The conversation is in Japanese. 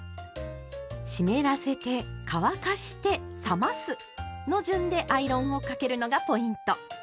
湿らせて乾かして冷ますの順でアイロンをかけるのがポイント！